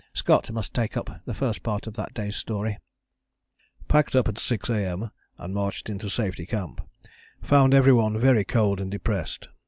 Scott must take up the first part of that day's story: "Packed up at 6 A.M. and marched into Safety Camp. Found every one very cold and depressed.